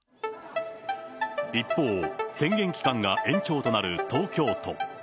一方、宣言期間が延長となる東京都。